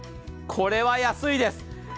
これは安いです。